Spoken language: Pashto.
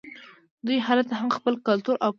دوی هلته هم خپل کلتور او پښتو ژبه ساتلې وه